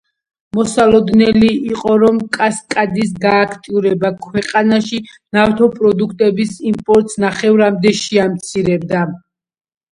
მოსალოდნელი იყო, რომ კასკადის გააქტიურება ქვეყანაში ნავთობპროდუქტების იმპორტს ნახევრამდე შეამცირებდა.